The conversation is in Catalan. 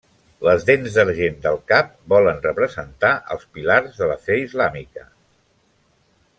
Les dents d'argent del cap volen representar els Pilars de la fe islàmica.